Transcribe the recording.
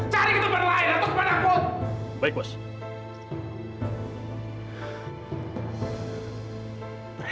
cari ketemu berlainan atau kepadaku